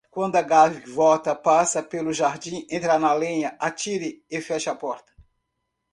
Quando a gaivota passa pelo jardim, entre na lenha, atire e feche a porta.